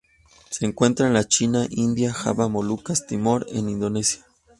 Se encuentra en la China, India, Java, Molucas y Timor en Indonesia.